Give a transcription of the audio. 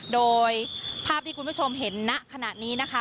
โดยภาพที่คุณผู้ชมเห็นณขณะนี้นะคะ